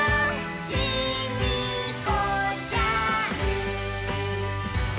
「ヒミコちゃん」